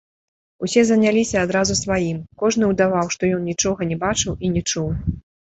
Усе заняліся адразу сваім, кожны ўдаваў, што ён нічога не бачыў і не чуў.